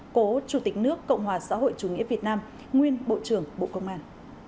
cố chủ tịch nước cộng hòa xã hội chủ nghĩa việt nam nguyên bộ trưởng bộ công an